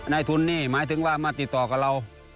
ในทุนนี่หมายถึงว่ามาติดต่อกับเรา